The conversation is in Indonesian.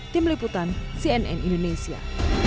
tim liputan cnn indonesia